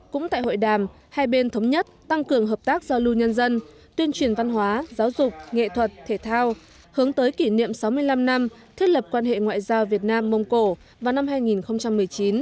cũng tại hội đàm hai bên thống nhất tăng cường hợp tác giao lưu nhân dân tuyên truyền văn hóa giáo dục nghệ thuật thể thao hướng tới kỷ niệm sáu mươi năm năm thiết lập quan hệ ngoại giao việt nam mông cổ vào năm hai nghìn một mươi chín